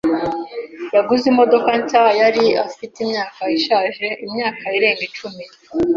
Yaguze imodoka nshya. Yari afite imyaka ishaje imyaka irenga icumi.